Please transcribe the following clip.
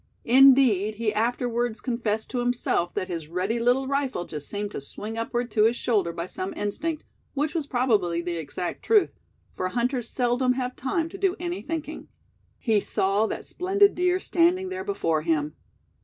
Indeed, he afterwards confessed to himself that his ready little rifle just seemed to swing upward to his shoulder by some instinct, which was probably the exact truth; for hunters seldom have time to do any thinking. He saw that splendid deer standing there before him.